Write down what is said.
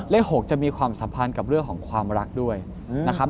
เลข๖จะมีความสัมพันธ์กับเรื่องของความรักด้วยนะครับ